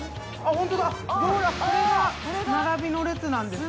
ホントだそうだこれが並びの列なんですね